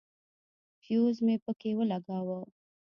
فيوز مې پکښې ولګاوه.